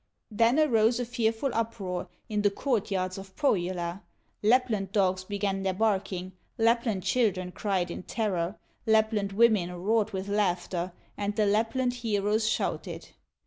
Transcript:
Then arose a fearful uproar, In the court yards of Pohyola, Lapland dogs began their barking, Lapland children cried in terror, Lapland women roared with laughter, And the Lapland heroes shouted.